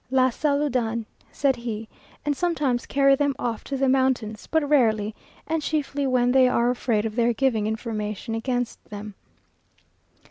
"Las saludan," said he, "and sometimes carry them off to the mountains, but rarely, and chiefly when they are afraid of their giving information against them."